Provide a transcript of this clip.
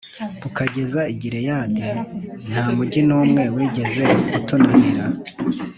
ukageza i Gileyadi, nta mugi n’umwe wigeze utunanira.